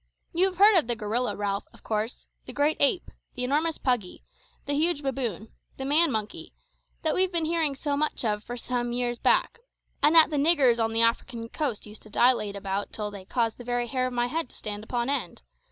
"You've heard of the gorilla, Ralph, of course the great ape the enormous puggy the huge baboon the man monkey, that we've been hearing so much of for some years back, and that the niggers on the African coast used to dilate about till they caused the very hair of my head to stand upon end?